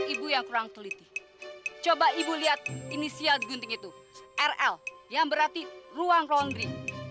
ibu yang kurang teliti coba ibu lihat inisial gunting itu rl yang berarti ruang laundry